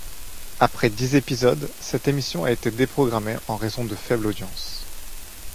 Après dix épisodes, cette émission a été déprogrammée en raison de faibles audiences.